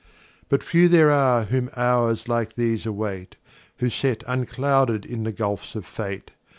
But few there are whom Hours like these await, Who set unclouded in the Gulphs of Fate.